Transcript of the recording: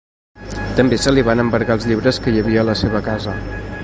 També se li van embargar els llibres que hi havia a la seva casa.